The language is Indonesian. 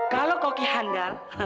kalo koki handal